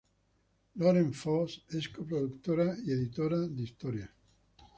Lauren Faust es co-productora y editora de historias.